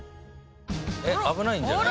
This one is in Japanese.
えっ危ないんじゃない？